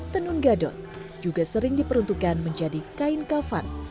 tenun gadot juga sering diperuntukkan menjadi kain kafan